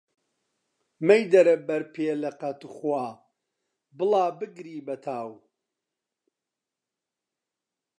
مەیدەرە بەر پێلەقە، توخودا، بڵا بگری بە تاو!